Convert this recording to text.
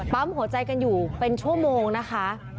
หัวใจกันอยู่เป็นชั่วโมงนะคะ